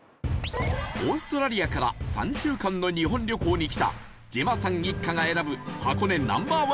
オーストラリアから３週間の日本旅行に来たジェマさん一家が選ぶ箱根Ｎｏ．１